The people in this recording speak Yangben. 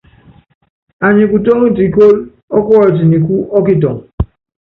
Anyi kutɔ́ŋitɛ ikóló ɔ́kuɔyit nikú ɔ́ kitɔŋ.